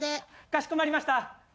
かしこまりました。